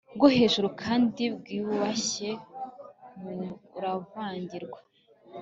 bwo hejuru kandi bwiyubashye buravangirwa